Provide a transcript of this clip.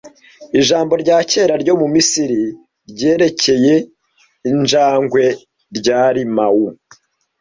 Ijambo rya kera ryo mu Misiri ryerekeye injangwe ryari mau